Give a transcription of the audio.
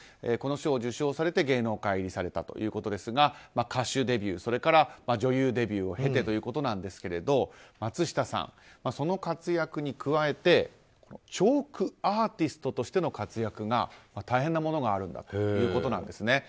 この賞を受賞されて芸能界入りされたということですが歌手デビュー、それから女優デビューを経てということなんですけど松下さん、その活躍に加えてチョークアーティストとしての活躍が大変なものがあるんだということなんです。